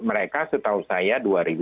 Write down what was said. mereka setahu saya dua ribu lima puluh